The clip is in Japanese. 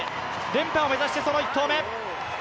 連覇を目指してその１投目！